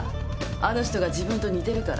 あの人が自分と似てるから。